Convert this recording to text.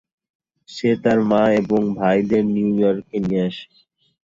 সে তার মা এবং সব ভাইদের নিউ ইয়র্কে নিয়ে আসে।